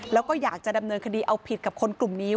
แล้วก็อยากจะดำเนินคดีเอาผิดกับคนกลุ่มนี้